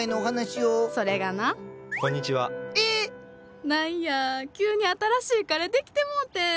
なんや急に新しい彼できてもうてん。